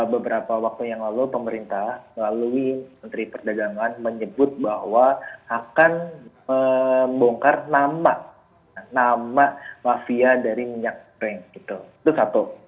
beberapa waktu yang lalu pemerintah melalui menteri perdagangan menyebut bahwa akan membongkar nama nama mafia dari minyak goreng itu satu